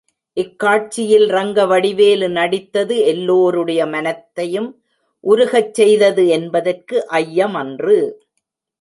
இக்காட்சியில் ரங்கவடிவேலு நடித்தது எல்லோருடைய மனத்தையும் உருகச் செய்தது என்பதற்கு ஐயமன்று.